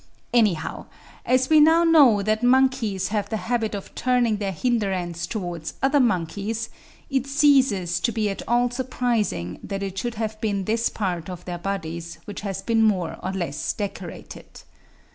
Anyhow, as we now know that monkeys have the habit of turning their hinder ends towards other monkeys, it ceases to be at all surprising that it should have been this part of their bodies which has been more or less decorated.